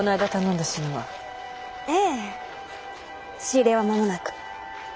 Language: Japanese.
仕入れは間もなく。